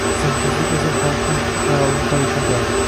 Tizimsizlik esa xalqning xayolini parishon qiladi